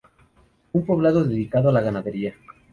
Un poblado dedicado a la ganadería.